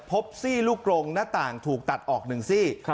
พบซี่ลูกลงหน้าต่างถูกตัดออกหนึ่งซี่